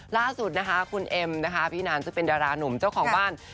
ล่าสุดคุณเอ็มพี่นานเป็นดารานุ่มเจ้าของบ้าน